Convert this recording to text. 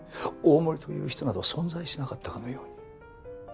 大森という人など存在しなかったかのように。